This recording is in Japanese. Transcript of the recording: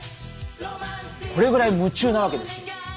これぐらい夢中なわけですよ。